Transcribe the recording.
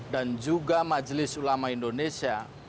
dan juga majelis ulama indonesia